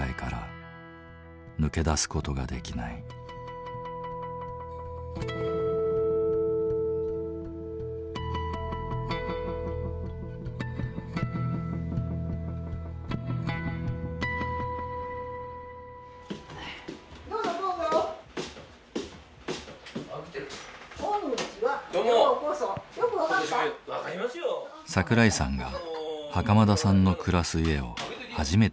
桜井さんが袴田さんの暮らす家を初めて訪ねてきた。